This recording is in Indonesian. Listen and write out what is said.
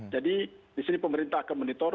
jadi di sini pemerintah akan monitor